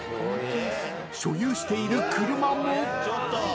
［所有している車も］